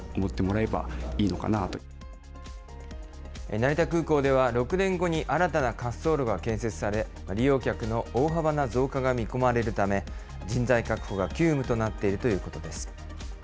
成田空港では、６年後に新たな滑走路が建設され、利用客の大幅な増加が見込まれるため、人材確保が急務となっているということです。